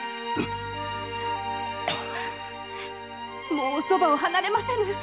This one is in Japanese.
もうお側を離れませぬ。